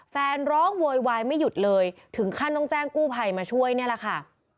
แฟนร้องโวยวายไม่หยุดเลยถึงขั้นต้องแจ้งกู้ภัยมาช่วยนี่แหละค่ะ